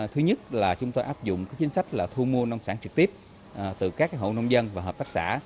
thứ nhất là chúng tôi áp dụng chính sách là thu mua nông sản trực tiếp từ các hộ nông dân và hợp tác xã